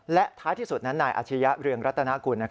และท้ายที่สุดนายอาชญ์เรืองรัตนะภง